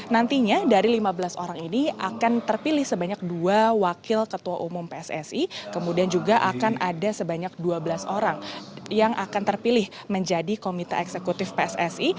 nantinya dari lima belas orang ini akan terpilih sebanyak dua wakil ketua umum pssi kemudian juga akan ada sebanyak dua belas orang yang akan terpilih menjadi komite eksekutif pssi